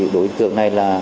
đối tượng này